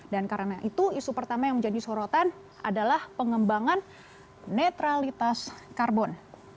dan karena itu isu pertama yang menjadi sorotan adalah pengembangan netralitas karbon